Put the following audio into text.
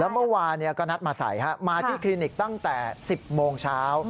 เมื่อวานก็นัดมาใส่มาที่คลินิกตั้งแต่๑๐โมงเช้า